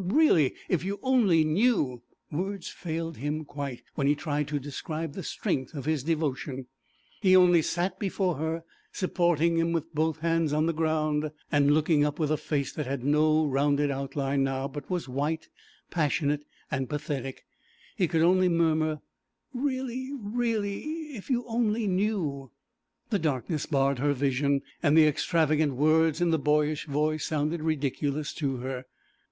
really if you only knew ,' words failed him quite when he tried to describe the strength of his devotion. He only sat before her, supporting himself with both hands on the ground and looking up with a face that had no rounded outline now, but was white, passionate and pathetic; he could only murmur, 'really, really if you only knew ' The darkness barred her vision and the extravagant words in the boyish voice sounded ridiculous to her.